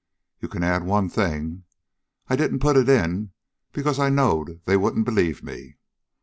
You can add one thing. I didn't put it in because I knowed they wouldn't believe me.